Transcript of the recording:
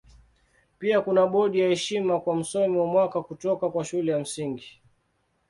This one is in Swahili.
Pia kuna bodi ya heshima kwa Msomi wa Mwaka kutoka kwa Shule ya Msingi.